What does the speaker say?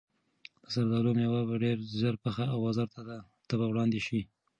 د زردالو مېوه به ډېر ژر پخه او بازار ته به وړاندې شي.